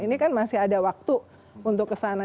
ini kan masih ada waktu untuk kesana